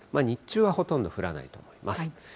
日中はほとんど降らないと思います。